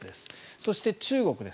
そして、中国です。